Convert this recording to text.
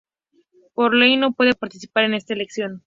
Por ley, no puede participar en esta elección.